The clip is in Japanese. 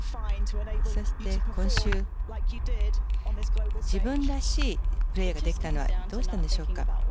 そして、今週自分らしいプレーができたのはどうしてなんでしょうか？